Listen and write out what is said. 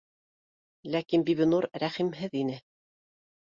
Ләкин Бибинур рәхимһеҙ ине